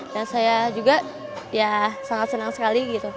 dan saya juga ya sangat senang sekali gitu